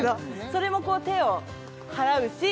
それも手を払うし